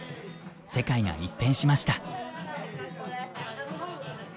世界が一変しました。